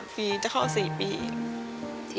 ปีจะเข้า๔ปี